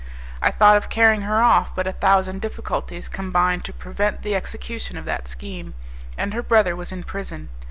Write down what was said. I thought of carrying her off, but a thousand difficulties combined to prevent the execution of that scheme, and her brother was in prison.